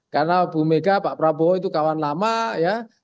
karena bu mega pak prabowo itu kawan lama ya